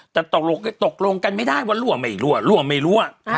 แต่ตกลงกันไม่ได้ว่ารั่วไม่รั่วรั่วไม่รั่ว